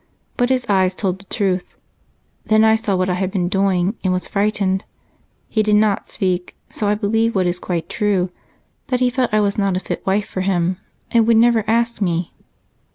But his eyes told the truth. Then I saw what I had been doing and was frightened. He did not speak, so I believed, what is quite true, that he felt I was not a fit wife for him and would never ask me.